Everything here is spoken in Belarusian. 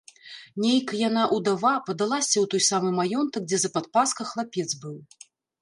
Нейк яна, удава, падалася ў той самы маёнтак, дзе за падпаска хлапец быў.